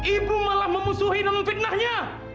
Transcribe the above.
ibu malah memusuhin dan memfitnahnya